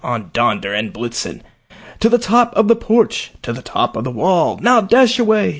_ on, Donder and Blitzen! To the top of the porch! to the top of the wall! Now dash away!